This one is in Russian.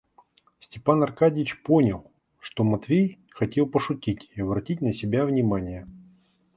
Степан Аркадьич понял, что Матвей хотел пошутить и обратить на себя внимание.